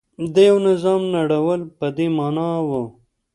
د یوه نظام نړول په دې معنا و.